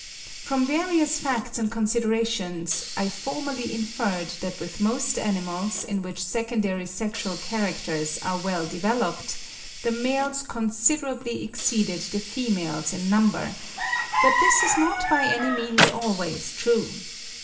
From various facts and considerations, I formerly inferred that with most animals, in which secondary sexual characters are well developed, the males considerably exceeded the females in number; but this is not by any means always true.